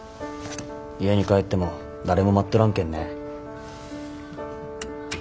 家に帰っても誰も待っとらんけんね。